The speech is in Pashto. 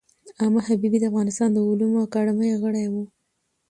علامه حبیبي د افغانستان د علومو اکاډمۍ غړی و.